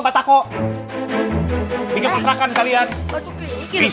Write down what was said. particularly aja beresan kamuipperiel